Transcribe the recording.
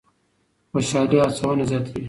خوشالي هڅونه زیاتوي.